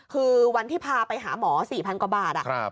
คือวันที่พาไปหาหมอ๔๐๐กว่าบาท